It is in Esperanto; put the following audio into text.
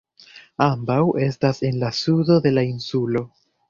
Ambaŭ estas en la sudo de la insulo.